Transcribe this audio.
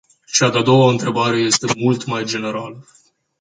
Cea de-a doua întrebare este mult mai generală.